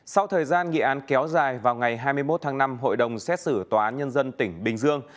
sau thời gian nghị án kéo dài vào ngày hai mươi một tháng năm hội đồng xét xử tòa án nhân dân tỉnh bình dương